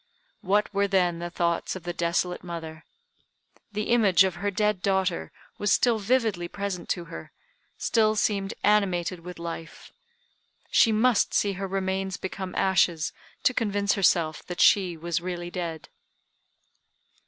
What were then the thoughts of the desolate mother? The image of her dead daughter was still vividly present to her still seemed animated with life. She must see her remains become ashes to convince herself that she was really dead.